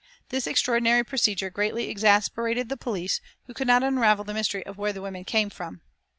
This extraordinary procedure greatly exasperated the police, who could not unravel the mystery of where the women came from.